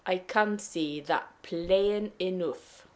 I can see that plain enough."